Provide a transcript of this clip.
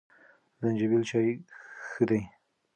زنجبیل چای ښه دی.